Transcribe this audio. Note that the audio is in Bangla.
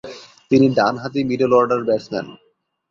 তিনি ডানহাতি মিডল অর্ডার ব্যাটসম্যান।